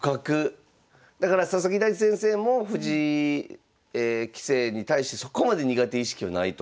だから佐々木大地先生も藤井棋聖に対してそこまで苦手意識はないと。